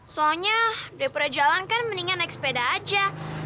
soalnya dari perjalanan kan mendingan naik sepeda aja